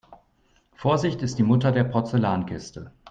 Vorsicht ist die Mutter der Porzellankiste.